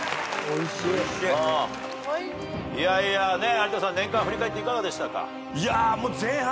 有田さん年間振り返っていかがでしたか？